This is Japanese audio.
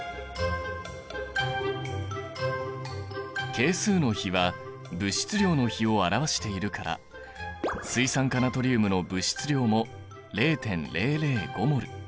係数の比は物質量の比を表しているから水酸化ナトリウムの物質量も０．００５ｍｏｌ。